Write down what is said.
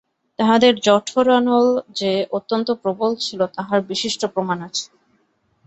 তাঁহাদের জঠরানল যে অত্যন্ত প্রবল ছিল তাহার বিশিষ্ট প্রমাণ আছে।